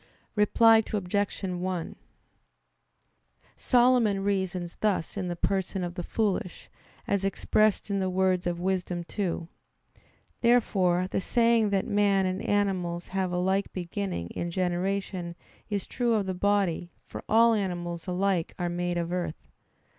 Reply Obj. 1: Solomon reasons thus in the person of the foolish, as expressed in the words of Wisdom 2. Therefore the saying that man and animals have a like beginning in generation is true of the body; for all animals alike are made of earth.